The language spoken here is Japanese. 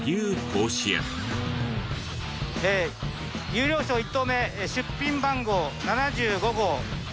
優良賞１頭目出品番号７５号。